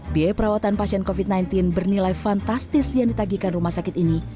biaya perawatan pasien covid sembilan belas bernilai fantastis yang ditagihkan rumah sakit ini